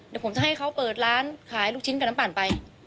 เดี๋ยวผมจะให้เขาเปิดร้านขายลูกชิ้นกับน้ำปั่นไป